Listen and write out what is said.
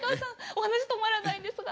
お話止まらないんですが。